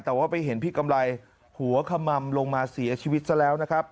แต่ว่าไปเห็นพี่กำไรหัวขม่ำลงมาเสียชีวิตซะแล้วนะครับ